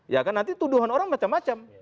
ya kan nanti tuduhan orang macam macam